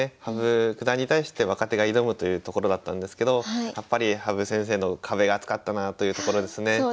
羽生九段に対して若手が挑むというところだったんですけどやっぱり羽生先生の壁が厚かったなあというところですね。